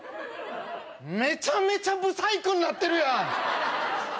めちゃめちゃぶさいくになってるやん！